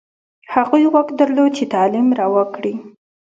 هغوی واک درلود چې تعلیم روا کړي.